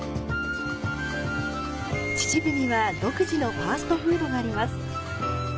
秩父には独自のファーストフードがあります。